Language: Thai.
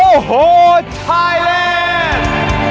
โอ้โหชายแลนด์